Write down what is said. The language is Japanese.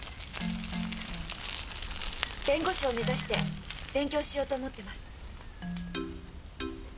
弁護士を目指して勉強しようと思ってます。